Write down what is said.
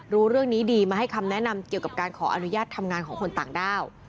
รู้เรื่องนี้ดีมาให้คำแนะนำเกี่ยวกับการขออนุญาตทำงานของคนต่างด้าว